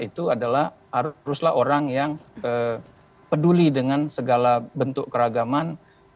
itu adalah haruslah orang yang peduli dengan segala bentuk keragaman